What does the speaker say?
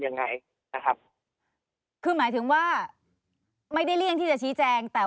ยังไงนะครับคือหมายถึงว่าไม่ได้เลี่ยงที่จะชี้แจงแต่